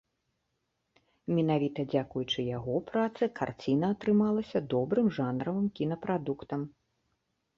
Менавіта дзякуючы яго працы, карціна атрымалася добрым жанравым кінапрадуктам.